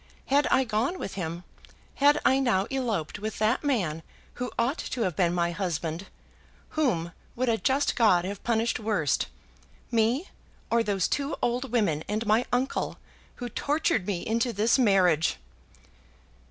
Had I gone with him, had I now eloped with that man who ought to have been my husband, whom would a just God have punished worst, me, or those two old women and my uncle, who tortured me into this marriage?"